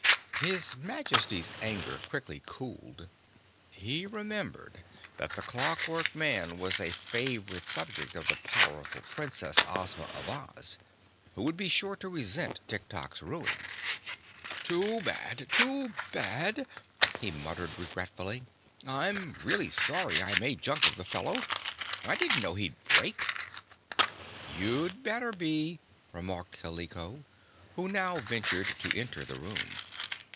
His Majesty's anger quickly cooled. He remembered that the Clockwork Man was a favorite subject of the powerful Princess, Ozma of Oz, who would be sure to resent Tiktok's ruin. "Too bad! too bad!" he muttered, regretfully. "I'm really sorry I made junk of the fellow. I didn't know he'd break." "You'd better be," remarked Kaliko, who now ventured to enter the room.